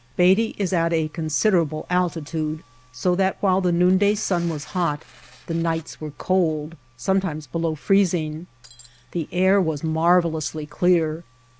Beatty is at a considerable altitude so that while the noonday sun was hot the nights were cold, sometimes below freezing. The air was marvelously clear.